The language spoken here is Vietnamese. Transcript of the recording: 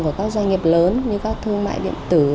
của các doanh nghiệp lớn như các thương mại địa tử lớn